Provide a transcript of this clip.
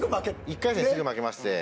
１回戦ですぐ負けまして。